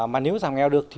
mà nếu giảm nghèo được thì